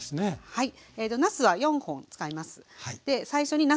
はい。